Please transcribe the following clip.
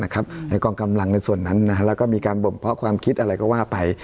กองกำลังในส่วนนั้นแล้วก็มีการบ่มเพาะความคิดอะไรก็ว่าไป